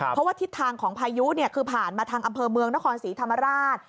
เพราะว่าทิศทางของพายุคือผ่านมาทางอำเภอเมืองนครศรีธรรมราช